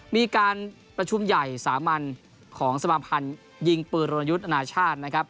มีการประชุมใหญ่สามัญของสมาภัณฑ์ยิงปืนรณยุทธ์อนาชาตินะครับ